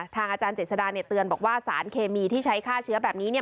อาจารย์เจษดาเตือนบอกว่าสารเคมีที่ใช้ฆ่าเชื้อแบบนี้